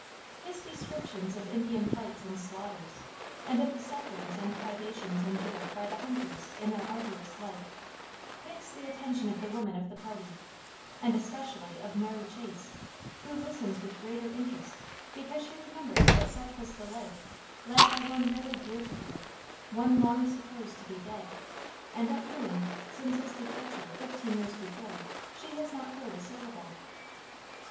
His descriptions of Indian fights and slaughters, and of the sufferings and privations endured by the hunters in their arduous life, fix the attention of the women of the party, and especially of Mary Chase, who listens with greater interest because she remembers that such was the life led by one very dear to her one long supposed to be dead, and of whom, since his departure, fifteen years before, she has heard not a syllable.